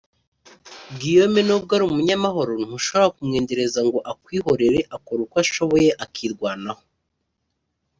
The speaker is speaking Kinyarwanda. Guillaume nubwo ari umunyamahoro ntushobora kumwendereza ngo akwihorere akora uko ashoboye akirwanaho